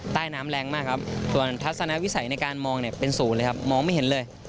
ใต้น้ำแรงมากครับส่วนทัศนวิสัยในการมองเนี่ยเป็นศูนย์เลยครับมองไม่เห็นเลย